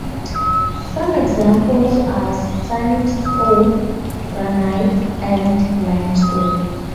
Some examples are sandstone, granite and limestone.